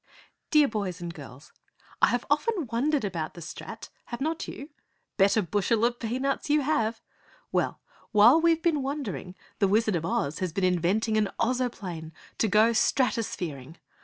Dear Boys and Girls: I often have wondered about the Strat, have not you? Bet a bushel of peanuts you have! Well, while we've been wondering the Wizard of Oz has been inventing an Ozoplane to go Strato sphering!